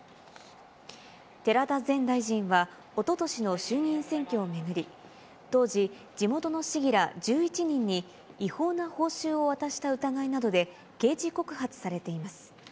寺田前大臣は、おととしの衆議院選挙を巡り、当時、地元の市議ら１１人に、違法な報酬を渡した疑いなどで刑事告発されています。